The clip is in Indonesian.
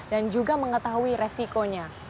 dan juga mengetahui resikonya